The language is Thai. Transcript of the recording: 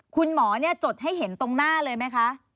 คุณหมอจดให้เห็นตรงหน้าเลยไหมคะ